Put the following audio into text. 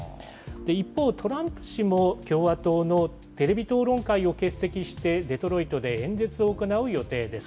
一方、トランプ氏も、共和党のテレビ討論会を欠席して、デトロイトで演説を行う予定です。